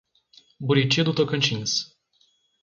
Buriti do Tocantins